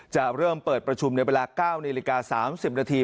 จะเริ่มเปิดประชุมในเวลา๙นาฬิกา๓๐นาที